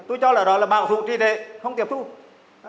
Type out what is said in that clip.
tôi cho là đó là bảo vụ tri tế không tiếp xúc